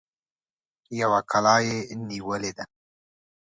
يوه کلا يې نيولې ده.